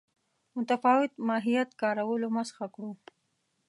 متفاوت ماهیت کارولو مسخه کړو.